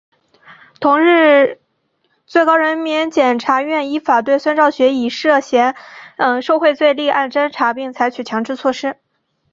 同日最高人民检察院依法对孙兆学以涉嫌受贿罪立案侦查并采取强制措施。